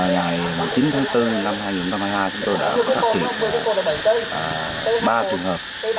ngày chín tháng bốn năm hai nghìn hai mươi hai chúng tôi đã phát triển tới ba trường hợp